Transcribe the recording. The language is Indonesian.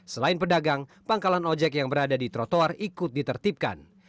selain pedagang pangkalan ojek yang berada di trotoar ikut ditertibkan